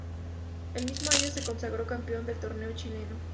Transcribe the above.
El mismo año se consagró campeón del torneo chileno.